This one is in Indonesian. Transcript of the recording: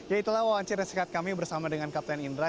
ya itulah wawancara sekat kami bersama dengan kapten indra